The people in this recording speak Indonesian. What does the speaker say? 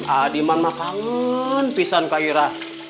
adiman mah kangen pisan ke ira